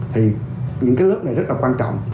thì những cái lớp này rất là quan trọng